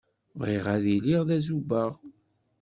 Bɣiɣ ad iliɣ d azubaɣ.